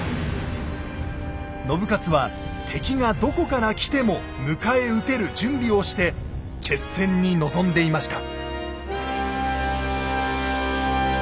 信雄は敵がどこから来ても迎え撃てる準備をして決戦に臨んでいました。